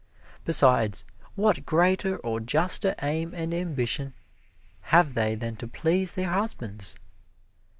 Besides, what greater or juster aim and ambition have they than to please their husbands?